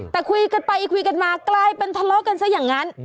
แต่คุยกันไปคุยกันมากลายเป็นทะเลาะกันซะอย่างนั้น